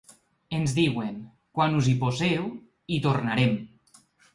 Ens diuen, ‘quan us hi poseu, hi tornarem’.